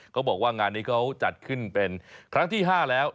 เขาบอกว่างานนี้เขาจัดขึ้นเป็นครั้งที่๕แล้ว